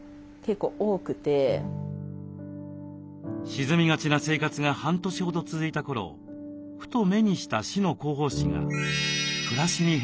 沈みがちな生活が半年ほど続いた頃ふと目にした市の広報誌が暮らしに変化をもたらします。